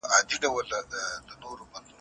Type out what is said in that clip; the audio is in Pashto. په زکات کي باید هېڅ ډول ناغېړي ونه سي.